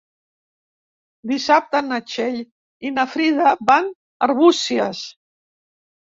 Dissabte na Txell i na Frida van a Arbúcies.